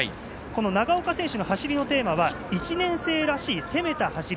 長岡選手の走りのテーマは１年生らしい攻めた走り。